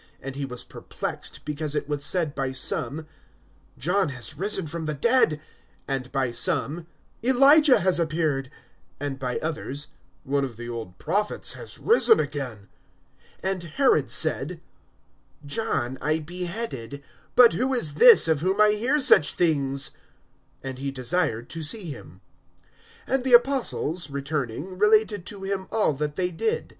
And he was perplexed, because it was said by some: John has risen from the dead; (8)and by some: Elijah has appeared; and by others: One of the old prophets has risen again. (9)And Herod said: John I beheaded; but who is this, of whom I hear such things? And he desired to see him. (10)And the apostles, returning, related to him all that they did.